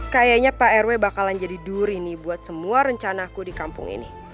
kayaknya pak rw bakalan jadi duri nih buat semua rencana aku di kampung ini